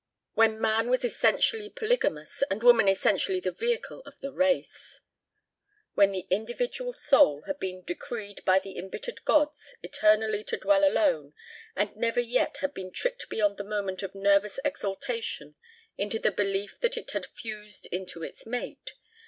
When man was essentially polygamous and woman essentially the vehicle of the race. When the individual soul had been decreed by the embittered gods eternally to dwell alone and never yet had been tricked beyond the moment of nervous exaltation into the belief that it had fused into its mate.